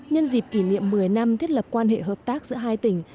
nhân dịp kỷ niệm một mươi năm thiết lập quan hệ hợp tác giữa hai tỉnh